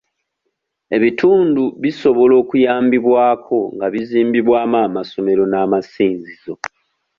Ebitundu bisobola okuyambibwako nga bizimbibwamu amasomero n'amasinzizo.